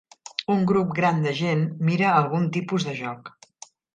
Un grup gran de gent mira algun tipus de joc.